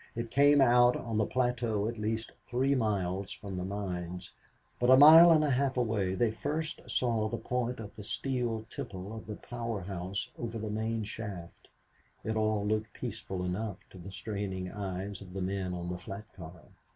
It came out on the plateau at least three miles from the mines, but a mile and a half away they first saw the point of the steel tipple of the power house over the main shaft. It all looked peaceful enough to the straining eyes of the men on the flat car.